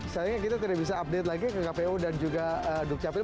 sayangnya kita tidak bisa update lagi ke kpu dan juga dukcapil